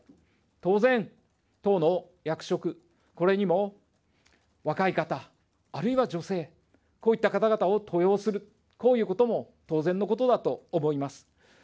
当然、党の役職、これにも若い方、あるいは女性、こういった方々を登用する、こういうことも当然のことだと思います。